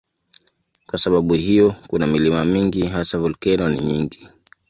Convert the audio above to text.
Kwa sababu hiyo kuna milima mingi, hasa volkeno ni nyingi.